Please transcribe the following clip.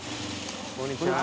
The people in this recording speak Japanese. こんにちは。